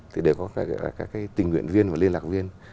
thì đều có các tình nguyện viên và liên lạc viên